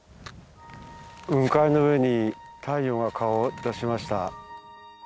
雲海の上に太陽が顔を出しました。